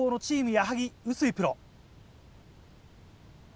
矢作・臼井プロ。